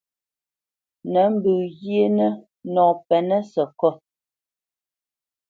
Nǝ̌ mbǝ̄ghinǝ nɔ pɛ́nǝ̄ sǝkôt.